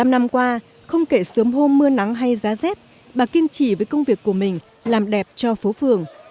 bảy mươi năm năm qua không kể sớm hôm mưa nắng hay giá rét bà kiên trì với công việc của mình làm đẹp cho phố phường